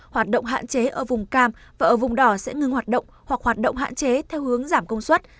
hoạt động hạn chế ở vùng cam và ở vùng đỏ sẽ ngưng hoạt động hoặc hoạt động hạn chế theo hướng giảm công suất